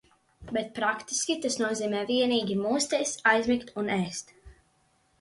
Bet praktiski tas nozīmē vienīgi mosties, aizmigt un ēst.